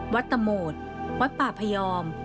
ตะโหมดวัดป่าพยอม